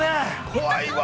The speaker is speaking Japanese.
◆怖いわ。